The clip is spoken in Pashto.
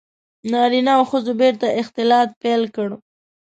• نارینه او ښځو بېرته اختلاط پیل کړ.